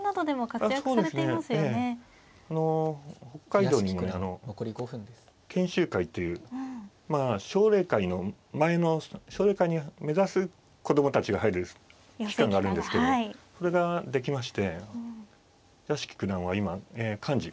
北海道にもね研修会というまあ奨励会の前の奨励会を目指す子供たちが入る機関があるんですけどそれができまして屋敷九段は今幹事されてますね。